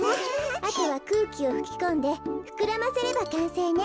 あとはくうきをふきこんでふくらませればかんせいね。